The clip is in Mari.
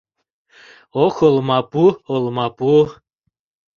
Ох, олмапу, олмапу